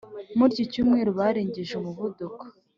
muri iki cyumweru barengeje umuvuduko